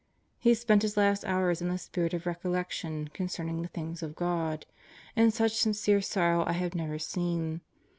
He spent his last hours in a spirit of recollection concerning the things of God and such sincere sorrow I have never seen.